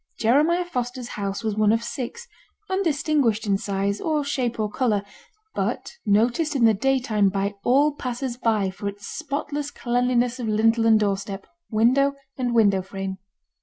Jeremiah Foster's house was one of six, undistinguished in size, or shape, or colour; but noticed in the daytime by all passers by for its spotless cleanliness of lintel and doorstep, window and window frame.